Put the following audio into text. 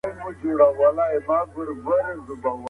زه په ورزش کولو بوخت یم.